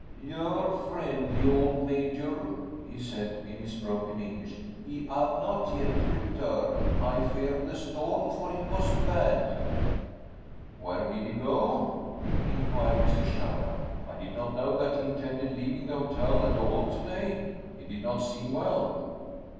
"Your friend, the old Major," he said, in his broken English, "he have not yet return. I fear the storm for him was bad." "Where did he go?" inquired Mr. Sherman. "I did not know that he intended leaving the hotel at all to day. He did not seem well."